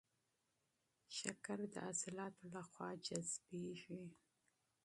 شکر د عضلاتو له خوا جذبېږي.